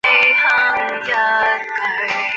整个工程共分三期。